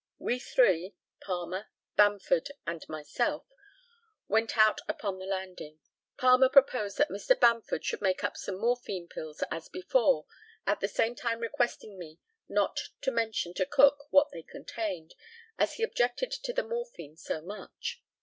We three (Palmer, Bamford, and myself) went out upon the landing. Palmer proposed that Mr. Bamford should make up some morphine pills as before, at the same time requesting me not to mention to Cook what they contained, as he objected to the morphine so much.